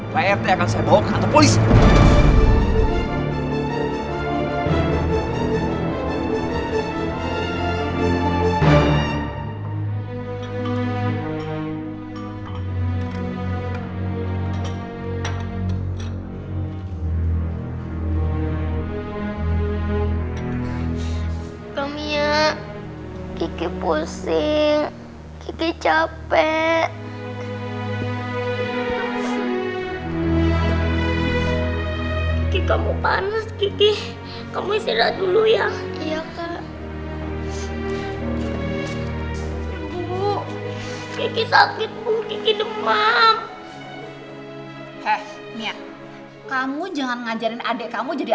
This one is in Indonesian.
pak rt akan saya bawa ke kantor polisi